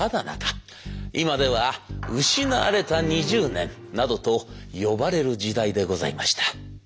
今では「失われた２０年」などと呼ばれる時代でございました。